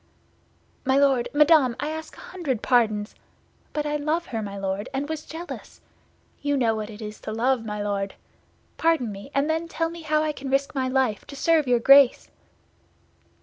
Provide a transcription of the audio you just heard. "My Lord, Madame, I ask a hundred pardons! But I love her, my Lord, and was jealous. You know what it is to love, my Lord. Pardon me, and then tell me how I can risk my life to serve your Grace?"